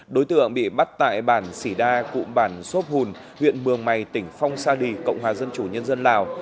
đối tượng bị bắt tại bản sỉ đa cụm bản xốp hùn huyện mường mày tỉnh phong sa lì cộng hòa dân chủ nhân dân lào